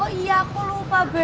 oh iya aku lupa bu